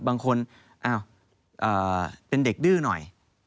บางคนเป็นเด็กดื้อหน่อย